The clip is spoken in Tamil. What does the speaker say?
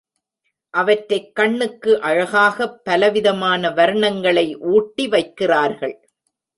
அவற்றைக் கண்ணுக்கு அழகாகப் பலவிதமான வர்ணங்களை ஊட்டி வைக்கிறார்கள்.